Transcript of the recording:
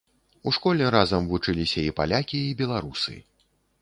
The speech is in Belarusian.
У школе разам вучыліся і палякі, і беларусы.